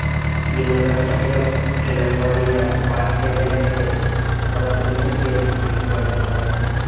University of California, Berkeley থেকে পদার্থবিজ্ঞানে PhD degree অর্জন করেন।